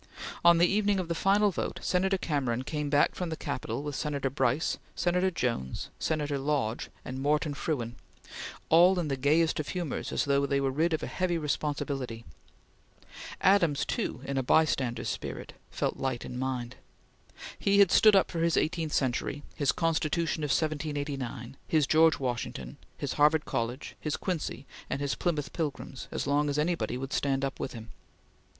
On the evening of the final vote, Senator Cameron came back from the Capitol with Senator Brice, Senator Jones, Senator Lodge, and Moreton Frewen, all in the gayest of humors as though they were rid of a heavy responsibility. Adams, too, in a bystander's spirit, felt light in mind. He had stood up for his eighteenth century, his Constitution of 1789, his George Washington, his Harvard College, his Quincy, and his Plymouth Pilgrims, as long as any one would stand up with him.